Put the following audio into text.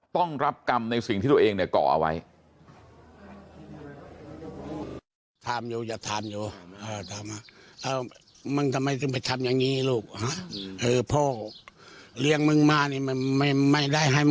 ต้องรับกรรมในสิ่งที่ตัวเองก่อเอาไว้